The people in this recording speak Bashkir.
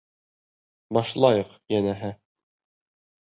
Башлайыҡ, йәнәһе.